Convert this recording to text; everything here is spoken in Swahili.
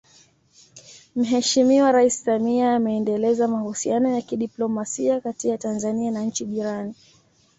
Mheshimiwa Rais Samia ameendeleza mahusiano ya kidiplomasia kati ya Tanzania na nchi jirani